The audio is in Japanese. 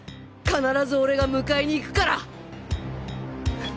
必ず俺が迎えに行くから！